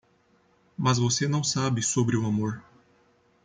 Mas você não sabe sobre o amor.